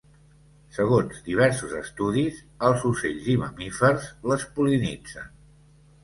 Segons diversos estudis, els ocells i mamífers les pol·linitzen.